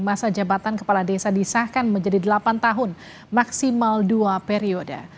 masa jabatan kepala desa disahkan menjadi delapan tahun maksimal dua periode